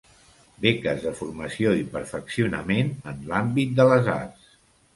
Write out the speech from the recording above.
Beques de formació i perfeccionament en l'àmbit de les arts.